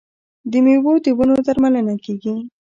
د میوو د ونو درملنه کیږي.